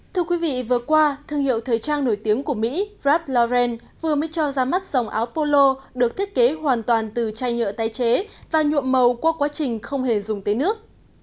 thưa quý vị vừa qua thương hiệu thời trang nổi tiếng của mỹ rapp loren vừa mới cho ra mắt dòng áo polo được thiết kế hoàn toàn từ chai nhựa tái chế và nhuộm màu qua quá trình không hề dùng tới nước